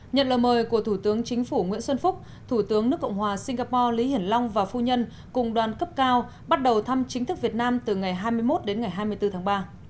nhận lời mời của thủ tướng chính phủ nguyễn xuân phúc thủ tướng nước cộng hòa singapore lý hiển long và phu nhân cùng đoàn cấp cao bắt đầu thăm chính thức việt nam từ ngày hai mươi một đến ngày hai mươi bốn tháng ba